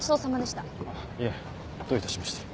あっいえどういたしまして。